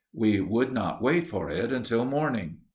We would not wait for it until morning.